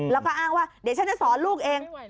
แล้วก็อ้างว่าเดี๋ยวฉันจะสอนลูกเอง